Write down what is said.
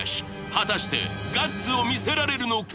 果たしてガッツを見せられるのか？